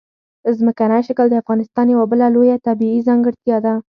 ځمکنی شکل د افغانستان یوه بله لویه طبیعي ځانګړتیا ده.